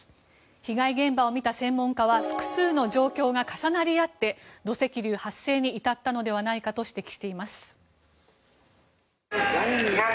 被害現場を見た専門家は複数の状況が重なり合って土石流発生に至ったのではないかと指摘しています。